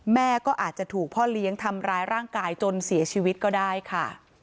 แม่ก็อาจจะถูกพ่อเลี้ยงทำร้ายร่างกายจนเสียชีวิตก็ได้ค่ะ